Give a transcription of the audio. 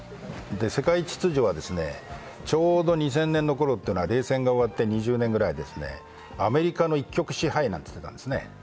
世界秩序はちょうど２０００年のころは冷戦が終わって２０年ぐらいですね、アメリカの一極支配だったんですね。